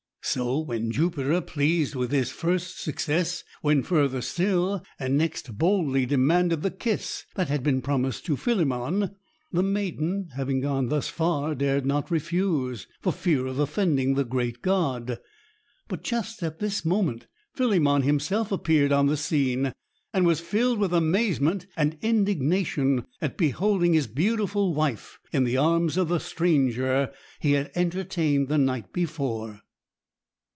So, when Jupiter, pleased with this first success, went further still, and next boldly demanded the kiss that had been promised to Philemon, the maiden, having gone thus far, dared not refuse, for fear of offending the great god; but just at this moment, Philemon himself appeared on the scene, and was filled with amazement and indignation at beholding his beautiful wife in the arms of the stranger he had entertained the night before.